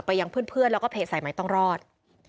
ยังเพื่อนแล้วก็เพจสายใหม่ต้องรอด